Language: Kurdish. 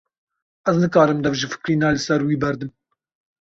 Ez nikarim dev ji fikirîna li ser wî berdim.